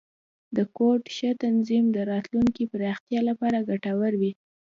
د کوډ ښه تنظیم، د راتلونکي پراختیا لپاره ګټور وي.